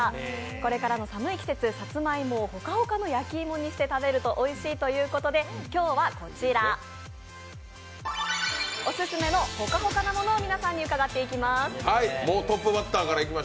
これからの寒い季節さつまいもをホカホカの焼き芋にして食べるとおいしいということで今日はこちら、オススメのホカホカなものを皆さんに伺っていきます。